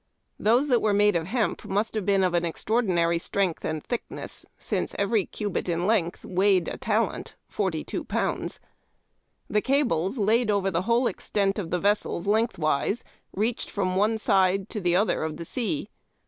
Those that were made of hemp must have been of an extraordinary strength and thickness since every cubit in length weighed a talent (42 pounds). The cables, laid over the whole extent of the vessels length wise, reached from one side to the other of the sea.